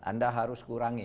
anda harus kurangi